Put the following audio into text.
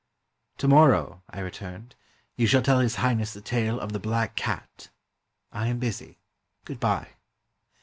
"To morrow," I returned, "you shall tell His High ness the tale of 'The Black Cat.' I am busy. Good bye."